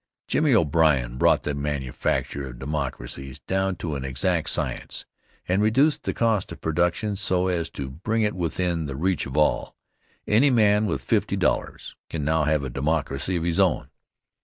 Jimmy O'Brien brought the manufacture of "Democracies" down to an exact science, and reduced the cost of production so as to bring it within the reach of all. Any man with $50 can now have a "Democracy" of his own.